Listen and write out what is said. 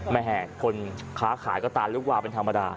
แม่คนค้าขายก็ตาลูกวาวเป็นธรรมดา